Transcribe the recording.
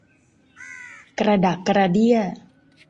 กระดักกระเดี้ย